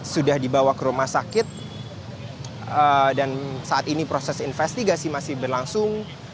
sudah dibawa ke rumah sakit dan saat ini proses investigasi masih berlangsung